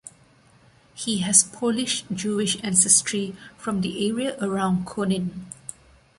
He has Polish Jewish ancestry, from the area around Konin.